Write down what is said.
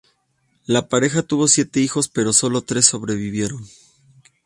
La pareja tuvo siete hijos pero solo tres sobrevivieron.